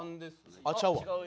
あっちゃうわ。